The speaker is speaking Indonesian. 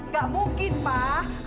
gak mungkin pak